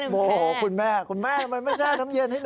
โอ้โฮคุณแม่คุณแม่ทำไมไม่แช่น้ำเย็นให้หนูกิน